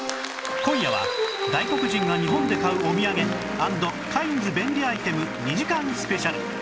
今夜は外国人が日本で買うおみやげ＆カインズ便利アイテム２時間スペシャル